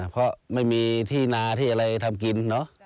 เพราะไม่มีที่นาที่อะไรทำกินเนอะ